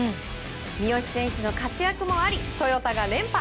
三好選手の活躍もありトヨタが連覇。